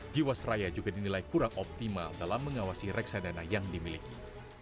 jiwasraya juga dinilai kurang optimal dalam mengawasi reksadana yang dimiliki